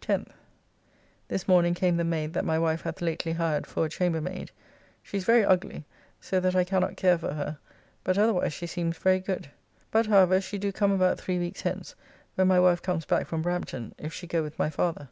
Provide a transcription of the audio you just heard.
10th. This morning came the maid that my wife hath lately hired for a chamber maid. She is very ugly, so that I cannot care for her, but otherwise she seems very good. But however she do come about three weeks hence, when my wife comes back from Brampton, if she go with my father.